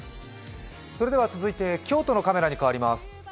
それでは続いて京都のカメラに変わります。